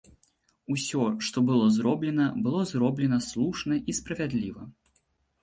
Усё, што было зроблена, было зроблена слушна і справядліва!